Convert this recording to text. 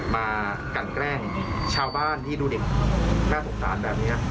มากันแกล้งชาวบ้านที่ดูเด็กน่าสงสารแบบนี้